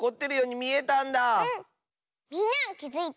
みんなはきづいた？